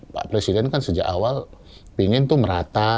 pak presiden kan sejak awal pingin tuh merata